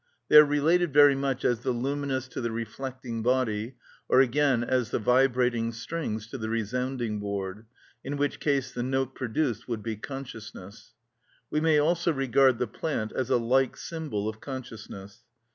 They are related very much as the luminous to the reflecting body; or, again, as the vibrating strings to the resounding board, in which case the note produced would be consciousness. We may also regard the plant as a like symbol of consciousness.